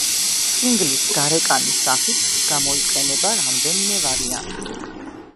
სინგლის გარეკანის სახით გამოიყენება რამდენიმე ვარიანტი.